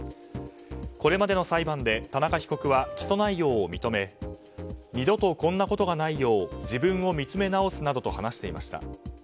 これまでの裁判で田中被告は起訴内容を認め二度とこんなことがないよう自分を見つめなおすなど話していました。